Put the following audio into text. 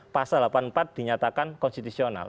pasal delapan puluh empat dinyatakan konstitusional